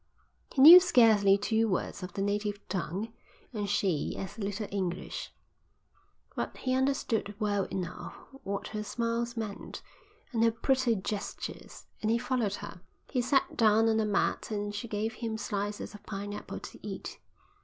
He knew scarcely two words of the native tongue and she as little English. But he understood well enough what her smiles meant, and her pretty gestures, and he followed her. He sat down on a mat and she gave him slices of pineapple to eat.